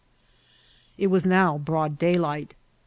It was now broad daylight.